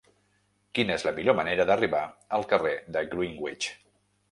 Quina és la millor manera d'arribar al carrer de Greenwich?